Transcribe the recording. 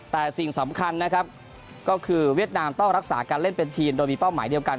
แต่สิ่งสำคัญนะครับก็คือเวียดนามต้องรักษาการเล่นเป็นทีมโดยมีเป้าหมายเดียวกัน